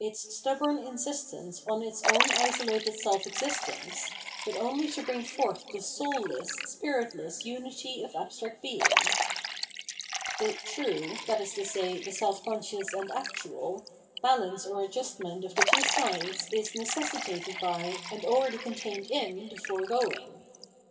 ilvil dnd Forgiveness 679 stubborn insistence on its own isolated self existence, but only to bring forth the souUess, spiritless unity of abstract being. The true, that is to say the self conscious and actual, balance or adjustment of the two sides is necessitated by, and already contained in the foregoing.